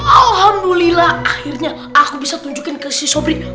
alhamdulillah akhirnya aku bisa kunjungi kesisunya pissed off guide